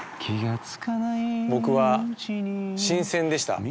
僕は新鮮でした。